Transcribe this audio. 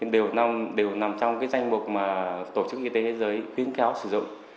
đều nằm trong danh mục mà tổ chức y tế thế giới khuyến cáo sử dụng